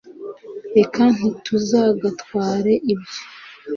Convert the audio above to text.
reka ntitugatware ibyo